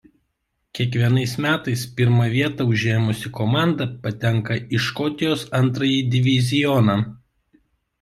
Kiekvienais metais pirmą vietą užėmusi komanda patenka į Škotijos antrąjį divizioną.